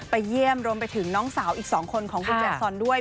เยี่ยมรวมไปถึงน้องสาวอีก๒คนของคุณแจซอนด้วย